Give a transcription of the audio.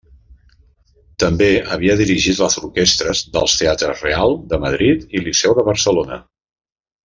També havia dirigit les orquestres dels teatres Real de Madrid i Liceu de Barcelona.